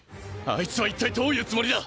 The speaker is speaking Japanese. あいつは一体どういうつもりだ？